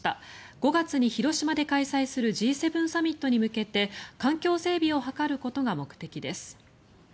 ５月に広島で開催するＧ７サミットに向けて環境整備を図ることが目的です。